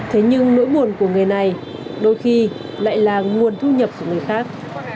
thế nhưng nỗi buồn của người này đôi khi lại là nguồn thu nhập của người khác